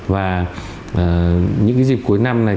và những dịp cuối năm này